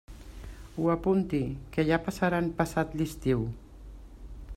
Ho apunti, que ja passaran passat l'estiu.